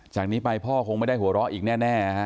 จากนี้ไปพ่อคงไม่ได้หัวเราะอีกแน่